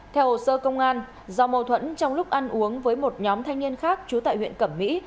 theo hồ sơ công an do mâu thuẫn trong lúc ăn uống với một nhóm thanh niên khác trú tại huyện cẩm mỹ